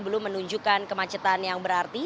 belum menunjukkan kemacetan yang berarti